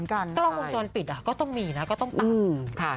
กล้องมุมชวนปิดก็ต้องมีนะ